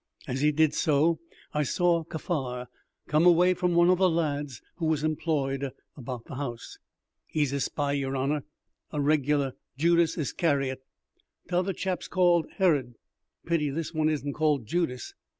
As he did so, I saw Kaffar come away from one of the lads who was employed about the house. "He's a spy, yer honour, a reg'lar Judas Iscariot. T'other chap's called Herod, pity this one isn't called Judas.